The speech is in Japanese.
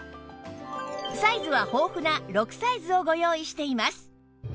サイズは豊富な６サイズをご用意しています